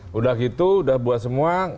sudah gitu udah buat semua